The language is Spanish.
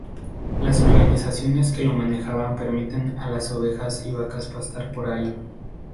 Las organizaciones que lo manejan permiten a las ovejas y vacas pastar allí.